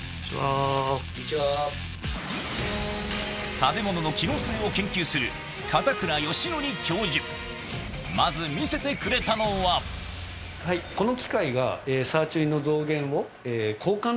食べ物の機能性を研究するまず見せてくれたのはこの機械が。